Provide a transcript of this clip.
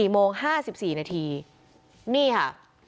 ๔โมง๕๔นาทีนี่ค่ะ